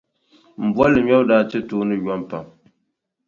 M boliŋmɛbo daa ti tooni yom pam.